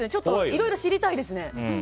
いろいろ知りたいですね。